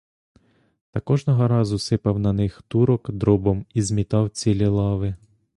Та кожного разу сипав на них турок дробом і змітав цілі лави.